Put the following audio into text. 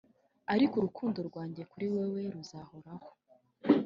ariko urukundo rwanjye kuri wewe ruzahoraho,